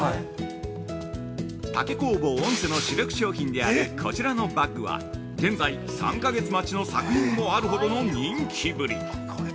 ◆竹工房オンセの主力商品であるこちらのバッグは現在３か月待ちの作品もあるほどの人気ぶり。